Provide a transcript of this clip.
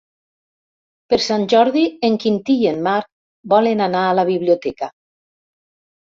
Per Sant Jordi en Quintí i en Marc volen anar a la biblioteca.